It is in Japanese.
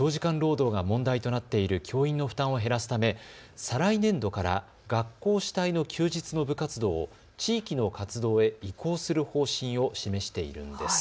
国は長時間労働が問題となっている教員の負担を減らすため再来年度から学校主体の休日の部活動を地域の活動へ移行する方針を示しています。